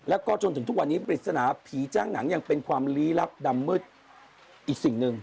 แล้วก็จนถึงทุกวันนี้ปริศนาผีจ้างหนังยังเป็นความลี้ลับดำมืดอีกสิ่งหนึ่ง